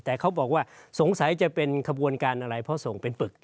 แต่เขาบอกว่าสงสัยจะเป็นขบวนการอะไรเพราะส่งเป็นปึก